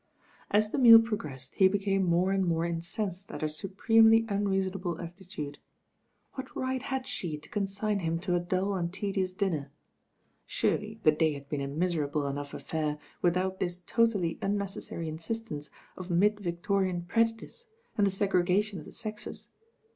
As the meal progressed, he became more and more incensed at her supremely unreasonable at titude. What right had she to consign him to a dull and tedious dinner? Surely the day had been a miserable enough affair without this totally unnec essary insistence of mid Victorian orejudice and the segregation of the sexes.